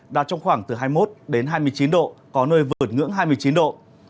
đạt trong khoảng hai mươi một hai mươi chín độ có nơi vượt ngưỡng hai mươi chín độ